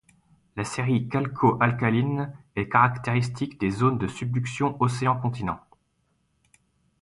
La série calco-alcaline est caractéristique des zones de subduction océan-continent.